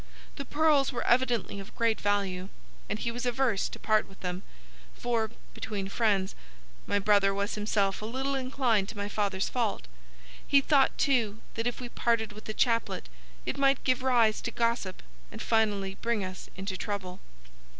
The pearls were evidently of great value, and he was averse to part with them, for, between friends, my brother was himself a little inclined to my father's fault. He thought, too, that if we parted with the chaplet it might give rise to gossip and finally bring us into trouble.